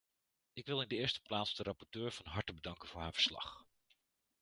Ik wil in de eerste plaats de rapporteur van harte bedanken voor haar verslag.